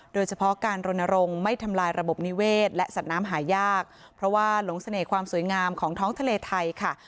โดยเฉพาะการรณรงค์ไม่ทำลายระบบนิเวศและสัตว์น้ำหายากเพราะว่าหลงเสน่ห์ความสวยงามของท้องทะเลไทยค่ะ